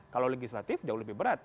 kalau legislatif jauh lebih berat